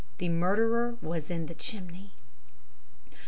The murderer was in the chimney.